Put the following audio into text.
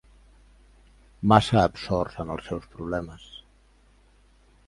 Massa absorts en els seus problemes.